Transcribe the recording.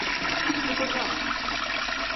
Kıpırdama!